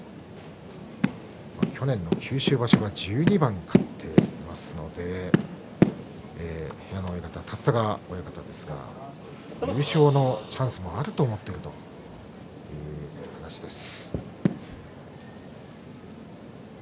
去年の九州場所が１２番勝っていますので部屋の立田川親方は優勝のチャンスもあると思っていたという話です。